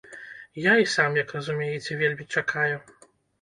Я і сам, як разумееце, вельмі чакаю.